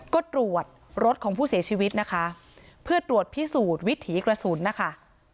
ก็ตรวจรถของผู้เสียชีวิตนะคะเพื่อตรวจพิสูจน์วิถีกระสุนนะคะ